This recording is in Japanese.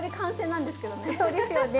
そうですよね。